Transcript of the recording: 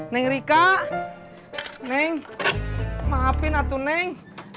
neng rika neng maafin atau neng